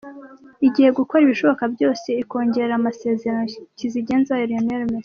igiye gukora ibishoboka byose ikongerera amasezerano kizigenza wayo Lionel Messi.